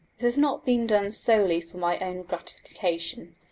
This has not been done solely for my own gratification.